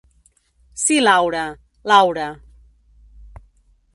Si Laura, "l'aura".